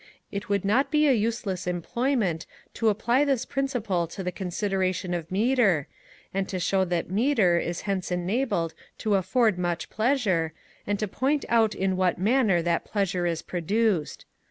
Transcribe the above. It would not be a useless employment to apply this principle to the consideration of metre, and to show that metre is hence enabled to afford much pleasure, and to point out in what manner that pleasure is produced.